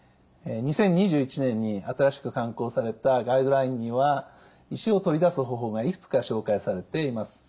２０２１年に新しく刊行されたガイドラインには石を取り出す方法がいくつか紹介されています。